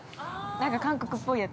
なんか韓国っぽいやつ。